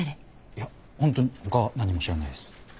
いやホントに他は何も知らないです。